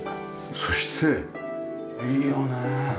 そしていいよね。